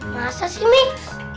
masa sih mie